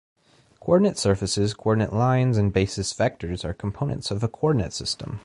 Coordinate surfaces, coordinate lines, and basis vectors are components of a coordinate system.